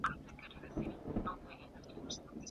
قرآنکريم د بشري پرګنو د عزت ساتلو امر کوي.